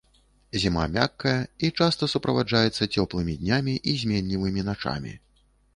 Зіма мяккая, і часта суправаджаецца цёплымі днямі і зменлівымі начамі.